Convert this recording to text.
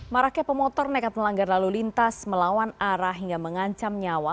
marahnya pemotor naik atas melanggar lalu lintas melawan arah hingga mengancam nyawa